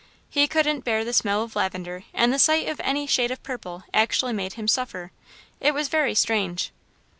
He couldn't bear the smell of lavender and the sight of any shade of purple actually made him suffer. It was very strange.